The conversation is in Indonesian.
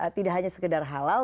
tidak hanya sekedar halal